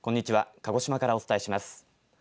鹿児島からお伝えします。